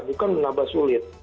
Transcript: bukan menambah sulit